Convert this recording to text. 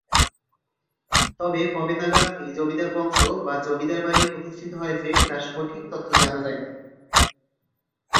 তবে কবে নাগাদ এই জমিদার বংশ বা জমিদার বাড়ি প্রতিষ্ঠিত হয়েছে তার সঠিক তথ্য জানা যায়নি।